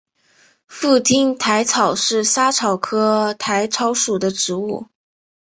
富宁薹草是莎草科薹草属的植物。